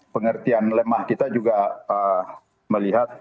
pengertian lemah kita juga melihat